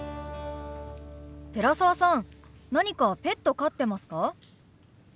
寺澤さん何かペット飼ってますか？